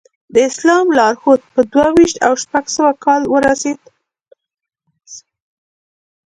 د اسلام لارښود په دوه ویشت او شپږ سوه کال ورسېد.